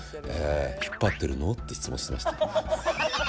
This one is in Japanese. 引っ張ってるの？って質問してました。